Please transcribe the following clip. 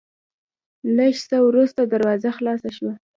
لېږ څه ورورسته دروازه خلاصه شوه،